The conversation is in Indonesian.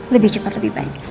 lebih cepet lebih baik